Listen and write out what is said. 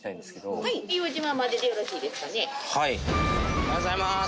おはようございます。